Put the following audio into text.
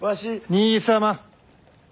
兄様。